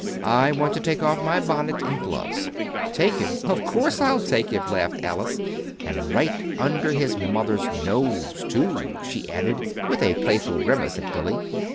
I want to take off my bonnet and gloves." "Take him? Of course I'll take him," laughed Alice; "and right under his mother's nose, too," she added, with a playful grimace at Billy.